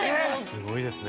すごいですね。